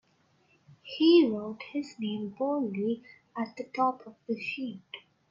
He wrote his name boldly at the top of the sheet.